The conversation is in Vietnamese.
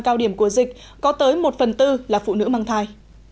cao điểm của dịch có tới một phần tư là phụ nữ mang thai